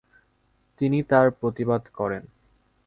তিনি তার প্রতিবাদ করেন।